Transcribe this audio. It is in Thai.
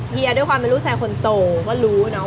เฮียด้วยความไม่รู้แสดงคนโตก็รู้เนาะ